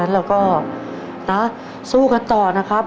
แล้วก็สู้กันต่อนะครับ